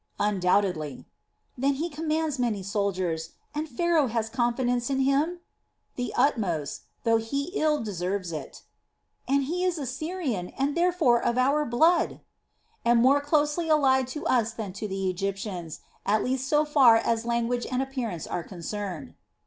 "Undoubtedly." "Then he commands many soldiers, and Pharaoh has confidence in him?" "The utmost, though he ill deserves it." "And he is a Syrian, and therefore of our blood." "And more closely allied to us than to the Egyptians, at least so far as language and appearance are concerned."